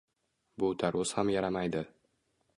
Bu tarvuz ham yaramaydi